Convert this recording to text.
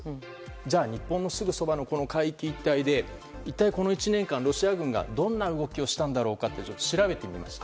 じゃあ、日本のすぐそばの海域一帯で一体この１年間ロシア軍がどんな動きをしたのか調べてみました。